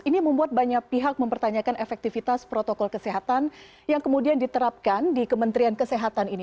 ini membuat banyak pihak mempertanyakan efektivitas protokol kesehatan yang kemudian diterapkan di kementerian kesehatan ini